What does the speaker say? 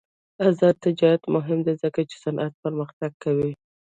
آزاد تجارت مهم دی ځکه چې صنعت پرمختګ کوي.